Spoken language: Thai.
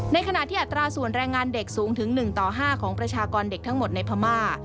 ในขณะที่อัตราส่วนแรงงานเด็กสูงถึง๑ต่อ๕ของประชากรเด็กทั้งหมดในพม่า